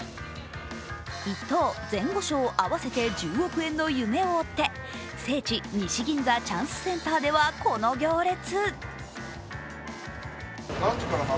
１等・前後賞合わせて１０億円の夢を追って聖地・西銀座チャンスセンターではこの行列。